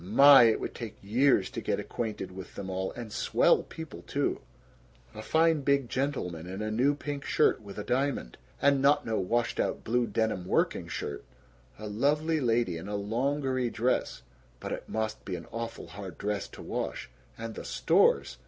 My! It would take years to get acquainted with them all. And swell people, too! A fine big gentleman in a new pink shirt with a diamond, and not no washed out blue denim working shirt. A lovely lady in a longery dress (but it must be an awful hard dress to wash). And the stores!